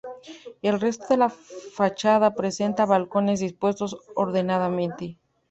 El resto de la fachada presenta balcones dispuestos ordenadamente.